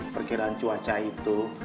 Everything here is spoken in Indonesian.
perkiraan cuaca itu